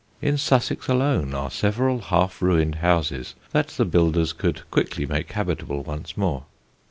In Sussex alone are several half ruined houses that the builders could quickly make habitable once more.